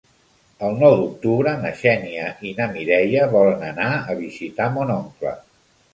El nou d'octubre na Xènia i na Mireia volen anar a visitar mon oncle.